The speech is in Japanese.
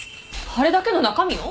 あれだけの中身を？